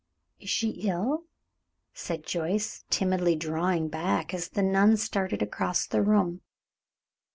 "Is she ill?" said Joyce, timidly drawing back as the nun started across the room.